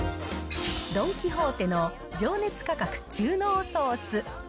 ドン・キホーテの情熱価格中濃ソース。